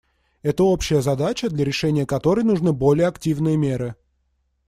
Это общая задача, для решения которой нужны более активные меры.